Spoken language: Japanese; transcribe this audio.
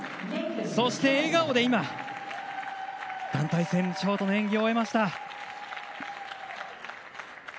そして笑顔で団体戦ショートの演技を終えました。